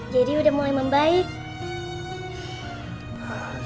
jadi udah mulai membaik